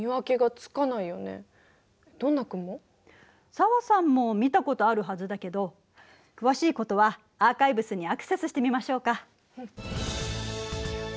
紗和さんも見たことあるはずだけど詳しいことはアーカイブスにアクセスしてみましょうか。